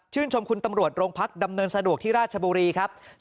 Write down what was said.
ชมคุณตำรวจโรงพักดำเนินสะดวกที่ราชบุรีครับ